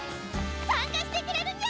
参加してくれるにゃ！